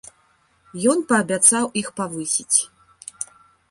Ён паабяцаў іх павысіць.